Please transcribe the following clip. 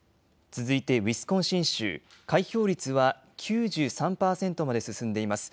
続いてウィスコンシン州、開票率は９３％まで進んでいます。